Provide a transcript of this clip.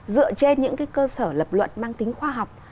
dựa trên những cơ sở lập luận mang tính khoa học